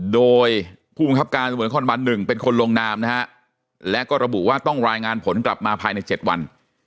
โดยผู้บังคับการสนวนคอนบัน๑เป็นคนลงนามนะฮะและก็ระบุว่าต้องรายงานผลกลับมาภายใน๗วัน